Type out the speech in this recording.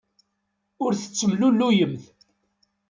Ur tettemlelluyemt.